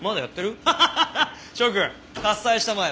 諸君喝采したまえ。